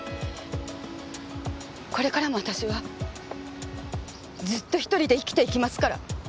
これからも私はずっと１人で生きていきますから。